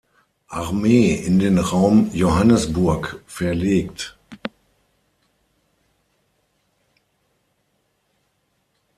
Armee in den Raum Johannisburg verlegt.